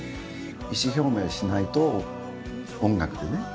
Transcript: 意思表明しないと音楽でね。